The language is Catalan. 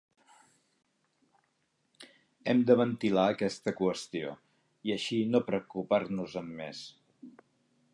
Hem de ventilar aquesta qüestió, i així no preocupar-nos-en més.